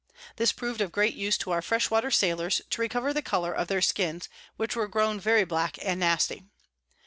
This prov'd of great use to our fresh water Sailors, to recover the Colour of their Skins which were grown very black and nasty.